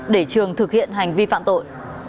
để trường thực hiện hành vi phạm tội